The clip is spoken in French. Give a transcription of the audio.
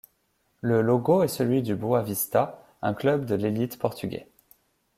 Le logo est celui du Boavista, un club de l'élite portugais.